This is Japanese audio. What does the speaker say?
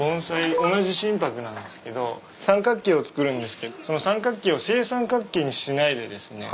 同じ真柏なんですけど三角形を作るんですけどその三角形を正三角形にしないでですね